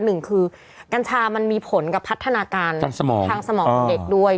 หนึ่งคือกัญชามันมีผลกับพัฒนาการทางสมองทางสมองเด็กด้วย